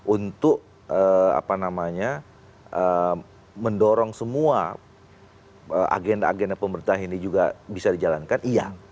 untuk mendorong semua agenda agenda pemerintah ini juga bisa dijalankan iya